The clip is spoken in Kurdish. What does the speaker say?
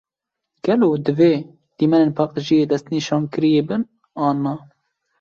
Gelo, divê demên paqijiyê destnîşankirî bin, an na?